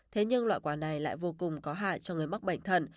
thế nhưng loại quả này lại vô cùng có hại cho người mắc bệnh thận